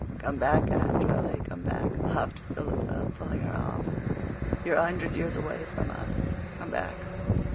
"Come back, Anne Shirley—come back," laughed Philippa, pulling her arm. "You're a hundred years away from us. Come back."